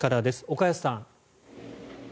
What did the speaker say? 岡安さん。